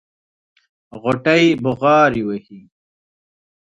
غوټۍ بغاري وهلې.